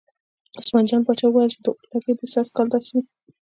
عثمان جان پاچا ویل چې اورلګید دې سږ کال داسې وي.